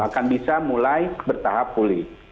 akan bisa mulai bertahap pulih